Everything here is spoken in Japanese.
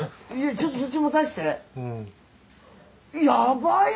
ちょっとそっち持たせて。